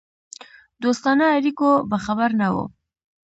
دوستانه اړیکو به خبر نه وو.